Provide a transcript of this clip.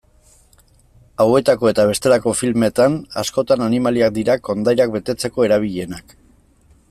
Hauetako eta bestelako filmetan, askotan animaliak dira kondairak betetzeko erabilienak.